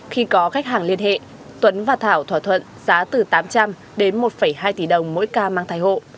khi có khách hàng liên hệ tuấn và thảo thỏa thuận giá từ tám trăm linh đến một hai tỷ đồng mỗi ca mang thai hộ